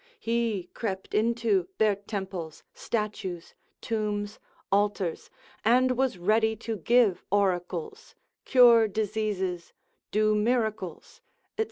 he crept into their temples, statues, tombs, altars, and was ready to give oracles, cure diseases, do miracles, &c.